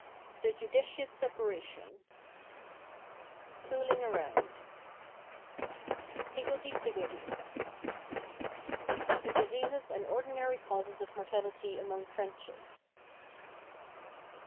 The Judicious Separation. Fooling Around. Higgledy Piggledy. The Diseases and Ordinary Causes of Mortality among Friendships.